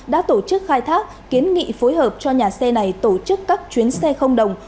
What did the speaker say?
đã tổ chức khai thác kiến nghị phối hợp cho nhà xe này tổ chức các chuyến xe không đồng